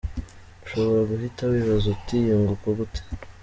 Ushobora guhita wibaza uti yunguka gute?.